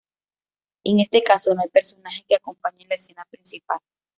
En este caso no hay personajes que acompañen la escena principal.